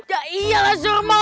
ya iyalah suruh maut